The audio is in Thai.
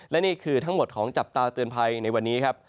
และนี่คือทั้งหมดของจับตาเตือนภัยในวันนี้ครับ